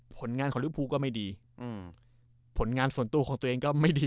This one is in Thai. ผลงานของลิวภูก็ไม่ดีอืมผลงานส่วนตัวของตัวเองก็ไม่ดี